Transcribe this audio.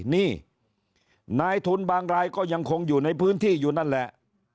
นี่นายทุนบางรายก็ยังคงอยู่ในพื้นที่อยู่นั่นแหละ